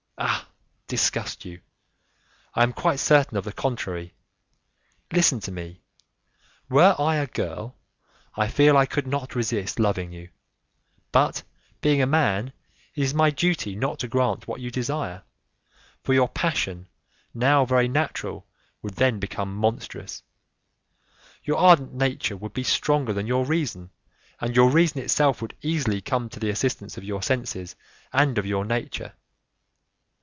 "Ah! disgust you; I am quite certain of the contrary. Listen to me. Were I a girl, I feel I could not resist loving you, but, being a man, it is my duty not to grant what you desire, for your passion, now very natural, would then become monstrous. Your ardent nature would be stronger than your reason, and your reason itself would easily come to the assistance of your senses and of your nature.